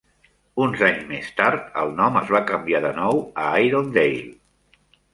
Uns anys més tard, el nom es va canviar de nou a Irondale.